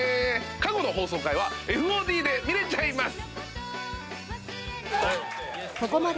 過去の放送回はＦＯＤで見れちゃいます。